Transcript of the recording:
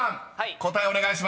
答えお願いします］